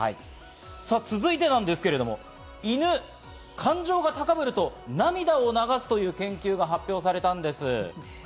続いて犬、感情が高ぶると涙を流すという研究が発表されたんです。